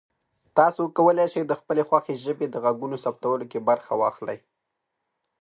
تاسو کولی شئ د خپلې خوښې ژبې د غږونو ثبتولو کې برخه واخلئ.